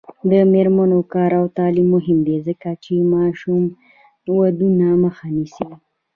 د میرمنو کار او تعلیم مهم دی ځکه چې ماشوم ودونو مخه نیسي.